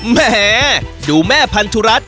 แหมดูแม่พันธุรัตน